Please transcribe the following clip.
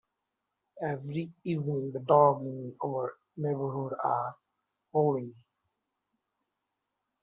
Every evening, the dogs in our neighbourhood are howling.